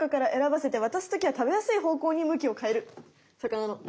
魚の。